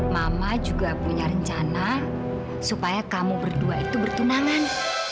mama juga punya rencana supaya kamu berdua itu bertunangan